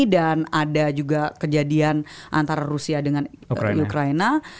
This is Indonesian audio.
dan ada juga kejadian antara rusia dengan ukraina